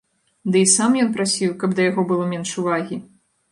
Ды і сам ён прасіў, каб да яго было менш увагі!